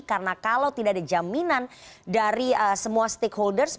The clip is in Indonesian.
karena kalau tidak ada jaminan dari semua stakeholders